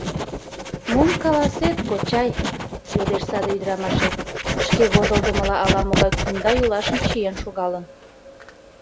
— Мом каласет, кочай? — йодеш саде ӱдырамашет, шке вожылдымыла ала-могай кумда йолашым чиен шогалын.